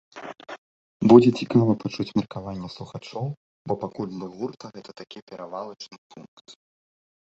Будзе цікава пачуць меркаванне слухачоў, бо пакуль для гурта гэта такі перавалачны пункт.